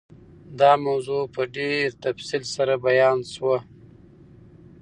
دا موضوع په ډېر تفصیل سره بیان شوه.